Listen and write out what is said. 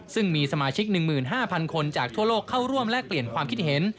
ซึ่งมีสมาชิก๑๕๐๐คนจากทั่วโลกเข้าร่วมแลกเปลี่ยนความคิดเห็น